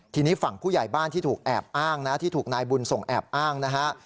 ทีนี้ฝั่งผู้ใหญ่บ้านที่ถูกแอบอ้างนะที่ถูกนายบุญส่งแอบอ้างนะฮะ